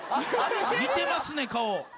似てますね顔。